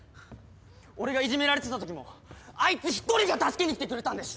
俺がいじめられてたときもあいつ一人が助けに来てくれたんです！